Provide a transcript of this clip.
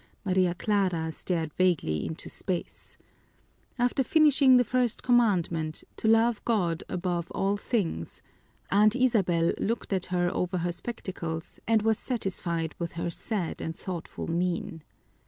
Maria Clara stared vaguely into space. After finishing the first commandment, to love God above all things, Aunt Isabel looked at her over her spectacles and was satisfied with her sad and thoughtful mien.